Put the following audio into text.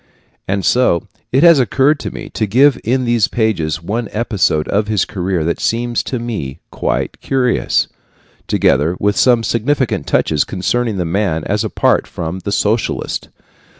And so it has occurred to me to give in these pages one episode of his career that seems to me quite curious, together with some significant touches concerning the man as apart from the socialist.